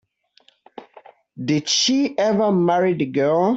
Did she ever marry the girl?